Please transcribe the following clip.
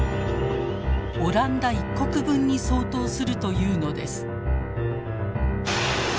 オランダ１国分に相当するというのです。